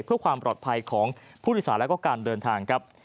เพื่อความปลอดภัยของผู้โดยสารและก็การเดินทางครับ